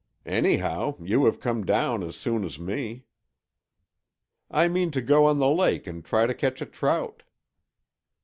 Anyhow, you have come down as soon as me." "I mean to go on the lake and try to catch a trout."